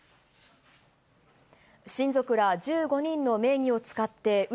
親族ら１５人の名義を使ってう